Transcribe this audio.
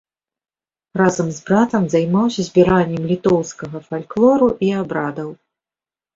Разам з братам займаўся збіраннем літоўскага фальклору і абрадаў.